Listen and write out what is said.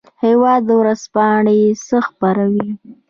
هیواد ورځپاڼه څه خپروي؟